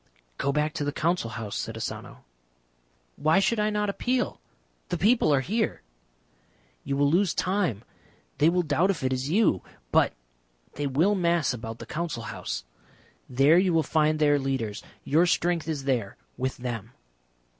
"Go back to the Council House," said Asano. "Why should I not appeal ? The people are here." "You will lose time. They will doubt if it is you. But they will mass about the Council House. There you will find their leaders. Your strength is there with them."